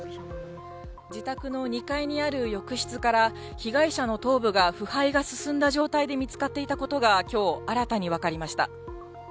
自宅の２階にある浴室から、被害者の頭部が腐敗が進んだ状態で見つかっていたことがきょう、新たに分かりました。